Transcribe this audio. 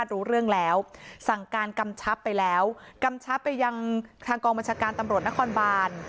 ทางปกค้ำการตำรวจนครบาล